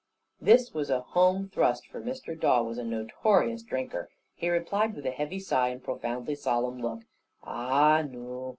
This was a home thrust, for Mr. Dawe was a notorious drinker. He replied with a heavy sigh and profoundly solemn look: "Ah noo!